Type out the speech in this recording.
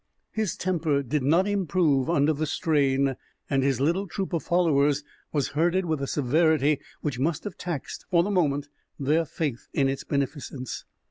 His temper did not improve under the strain, and his little troop of followers was herded with a severity which must have taxed, for the moment, their faith in its beneficence.